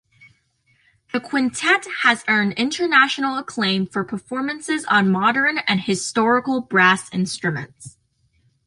The quintet has earned international acclaim for performances on modern and historical brass instruments.